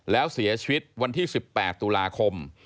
แล้วเสียชีวิตวันที่๑๘ตุลาคม